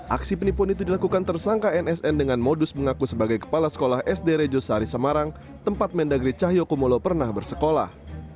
aksi penipuan itu dilakukan tersangka nsn dengan modus mengaku sebagai kepala sekolah sd rejo sari semarang tempat mendagri cahyokumolo pernah bersekolah